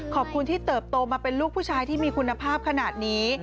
ขอบคุณที่เติบโตมาเป็นลูกผู้ชายที่มีคุณภาพขนาดนี้